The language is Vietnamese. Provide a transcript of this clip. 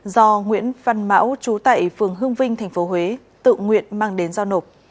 do nguyễn văn mão chú tại phường hương vinh tp huế tự nguyện mang đến do nổ